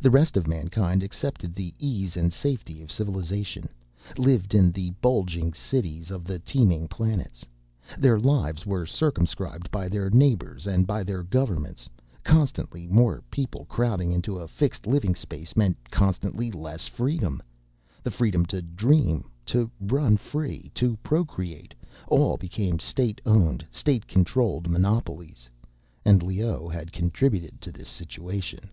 The rest of mankind accepted the ease and safety of civilization, lived in the bulging cities of the teeming planets. Their lives were circumscribed by their neighbors, and by their governments. Constantly more people crowding into a fixed living space meant constantly less freedom. The freedom to dream, to run free, to procreate, all became state owned, state controlled monopolies. And Leoh had contributed to this situation.